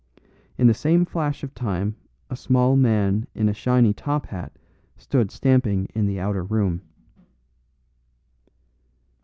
In the same flash of time a small man in a shiny top hat stood stamping in the outer room.